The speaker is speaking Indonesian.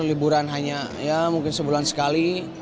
liburan hanya ya mungkin sebulan sekali